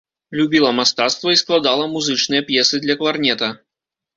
Любіла мастацтва і складала музычныя п'есы для кларнета.